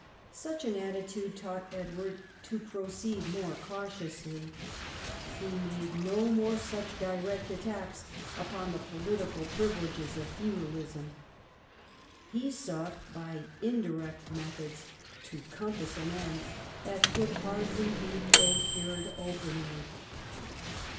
Such an atti tude taught Edward to proceed more cautiously. He made no more such direct attacks upon the political privileges of feudalism. He sought by indirect methods to compass an end that could hardly be procured openly.